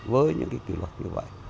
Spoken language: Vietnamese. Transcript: với những cái kỷ luật như vậy